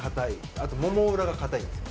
あともも裏が硬いんですよ。